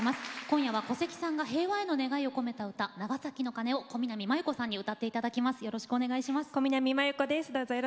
今夜は古関さんが平和への願いを込めた歌「長崎の鐘」を小南満佑子さんに歌っていただきます。